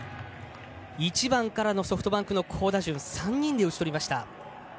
１番からのソフトバンクの好打順３人で打ち取りました。